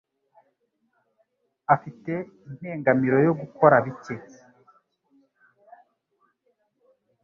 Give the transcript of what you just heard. afite impengamiro yo gukora bike.